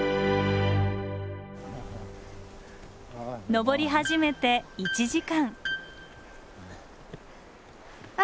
登り始めて１時間。